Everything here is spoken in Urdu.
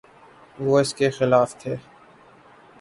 وہ اس کے خالق تھے۔